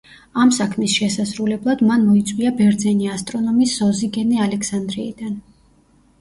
ამ საქმის შესასრულებლად მან მოიწვია ბერძენი ასტრონომი სოზიგენე ალექსანდრიიდან.